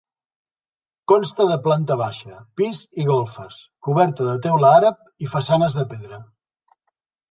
Consta de planta baixa, pis i golfes, coberta de teula àrab i façanes de pedra.